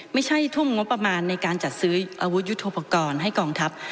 ไม่ใช่ทุ่มงบประมาณในการจัดซื้ออาวุธยุทธโปรกรณ์ให้กองทัพ